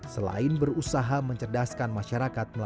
selain berusaha mencerdaskan masyarakat